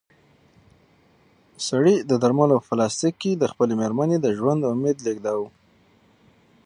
سړي د درملو په پلاستیک کې د خپلې مېرمنې د ژوند امید لېږداوه.